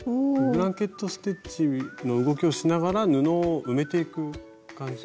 ブランケット・ステッチの動きをしながら布を埋めていく感じ。